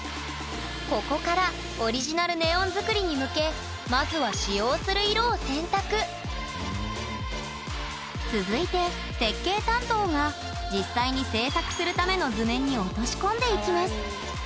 ここからオリジナルネオン作りに向けまずは使用する色を選択続いて設計担当が実際に制作するための図面に落とし込んでいきます